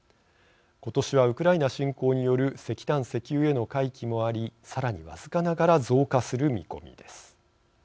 今年はウクライナ侵攻による石炭・石油への回帰もありさらに僅かながら増加する見込みです。